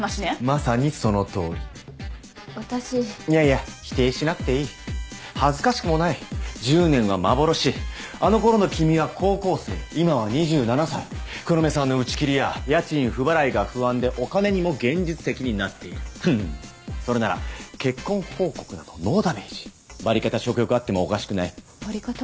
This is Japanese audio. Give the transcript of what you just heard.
まさにそのとおり私いやいや否定しなくていい恥ずかしくもない１０年は幻あのころの君は高校生今は２７歳黒目さんの打ち切りや家賃不払いが不安でお金にも現実的になっているフンそれなら結婚報告などノーダメージバリカタ食欲あってもおかしくないバリカタ？